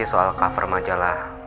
soal cover majalah